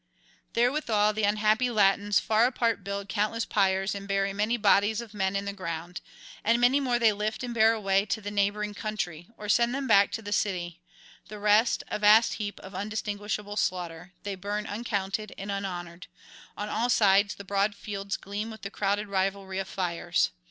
Therewithal the unhappy Latins far apart build countless pyres and bury many bodies of men in the ground; and many more they lift and bear away to the neighbouring country, or send them back to the city; the rest, a vast heap of undistinguishable slaughter, they burn uncounted and unhonoured; on all sides the broad fields gleam with crowded rivalry of fires.